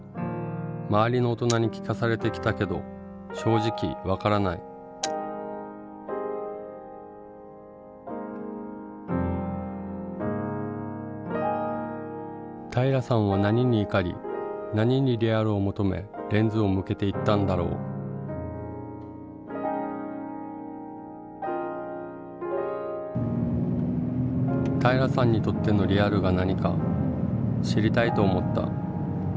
周りの大人に聞かされてきたけど正直分からない平良さんは何に怒り何にリアルを求めレンズを向けていったんだろう平良さんにとってのリアルが何か知りたいと思った。